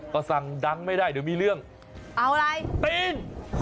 ก็สั่งดังไม่ได้เดี๋ยวมีเรื่องเอาอะไรปีน